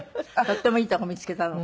とってもいい所見つけたの。